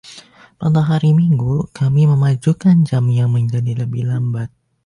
Pada hari Minggu, kami memajukan jamnya menjadi lebih lambat.